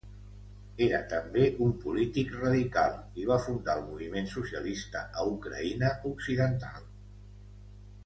Era també un polític radical, i va fundar el moviment socialista a Ucraïna occidental.